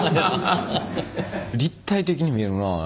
立体的に見えるな。